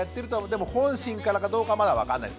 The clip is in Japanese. でも本心からかどうかまだ分かんないです。